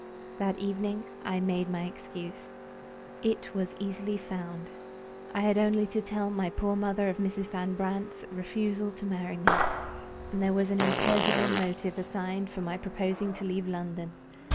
That evening I made my excuse. It was easily found. I had only to tell my poor mother of Mrs. Van Brandt's refusal to marry me, and there was an intelligible motive assigned for my proposing to leave London.